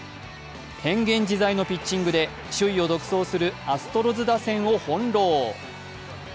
変幻自在のピッチングで首位を独走するアストロズ打線を翻弄。